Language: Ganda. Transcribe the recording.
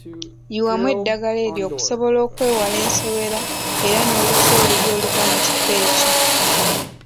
Yiwamu eddagala eryo okusobola okwewala ensowera era n‘olusu olubi oluva mu kifo ekyo.